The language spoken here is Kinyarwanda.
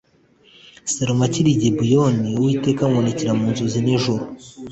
Salomo akiri i Gibeyoni Uwiteka amubonekera mu nzozi nijoro